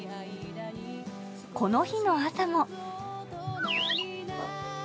この日の朝も。